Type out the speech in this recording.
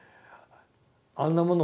あんなもの